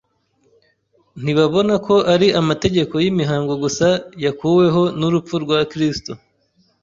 Ntibabona ko ari amategeko y’imihango gusa yakuweho n’urupfu rwa Kristo.